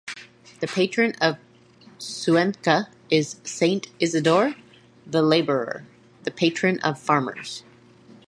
The Patron of Cuenca is Saint Isidore the Laborer, the patron of farmers.